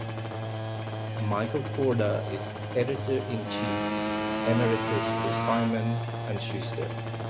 Michael Korda is Editor-in-Chief Emeritus for Simon and Schuster.